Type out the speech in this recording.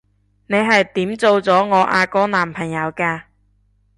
你係點做咗我阿哥男朋友㗎？